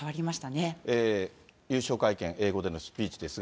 優勝会見、英語でのスピーチ